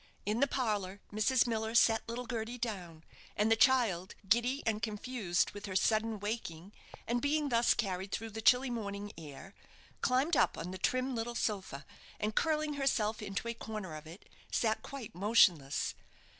In the parlour, Mrs. Miller set little Gerty down, and the child, giddy and confused with her sudden waking, and being thus carried through the chill morning air, climbed up on the trim little sofa, and curling herself into a corner of it, sat quite motionless.